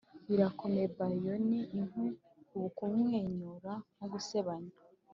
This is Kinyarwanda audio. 'birakomeye by yon inkwi, ubu kumwenyura nko gusebanya,